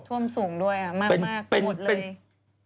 ท่วมสูงด้วยอะมากโกรธเลย